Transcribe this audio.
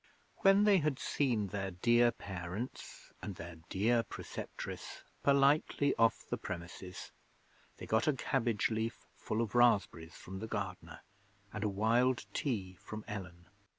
When they had seen their dear parents and their dear preceptress politely off the premises they got a cabbage leaf full of raspberries from the gardener, and a Wild Tea from Ellen.